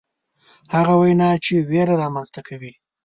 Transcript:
هغه وینا چې ویره رامنځته کوي.